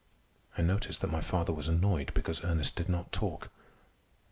I noticed that my father was annoyed because Ernest did not talk.